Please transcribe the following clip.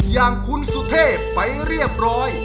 อย่างคุณสุเทพไปเรียบร้อย